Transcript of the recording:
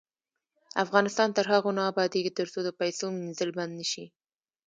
افغانستان تر هغو نه ابادیږي، ترڅو د پیسو مینځل بند نشي.